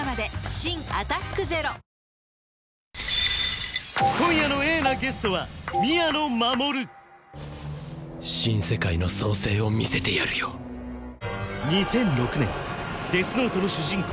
新「アタックＺＥＲＯ」今夜のＡなゲストは新世界の創世を見せてやるよ２００６年「ＤＥＡＴＨＮＯＴＥ」の主人公